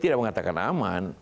tidak mengatakan aman